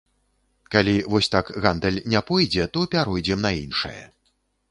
Калі вось так гандаль не пойдзе, то пяройдзем на іншае.